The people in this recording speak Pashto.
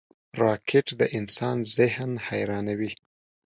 راکټ د انسان ذهن حیرانوي